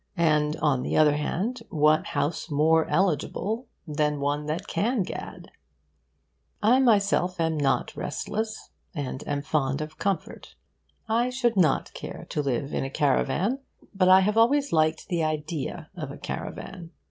And, on the other hand, what house more eligible than one that can gad? I myself am not restless, and am fond of comfort: I should not care to live in a caravan. But I have always liked the idea of a caravan.